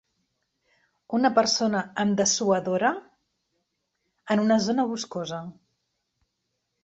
Una persona amb dessuadora en una zona boscosa.